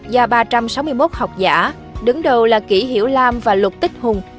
và ba trăm sáu mươi một học giả đứng đầu là kỷ hiểu lam và lục tích hùng